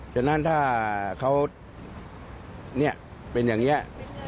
ฉะนั้นถ้าเขาเนี่ยเป็นอย่างเงี้ย